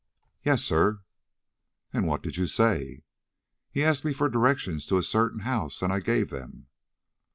"Yes, sir." "And what did you say?" "He asked me for directions to a certain house, and I gave them."